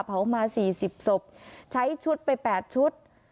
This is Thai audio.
เผามา๔๐ศพใช้ชุดไป๘ชุด